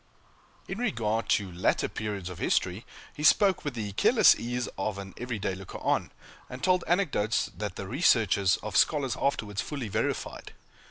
In regard to later periods of history, he spoke with the careless ease of an every day looker on; and told anecdotes that the researches of scholars afterwards fully verified.